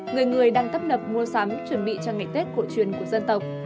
người người đang tấp nập mua sắm chuẩn bị cho ngày tết cổ truyền của dân tộc